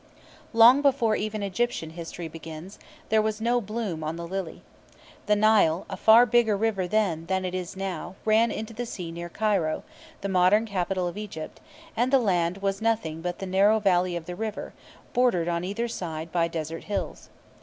Long before even Egyptian history begins, there was no bloom on the lily. The Nile, a far bigger river then than it is now, ran into the sea near Cairo, the modern capital of Egypt; and the land was nothing but the narrow valley of the river, bordered on either side by desert hills.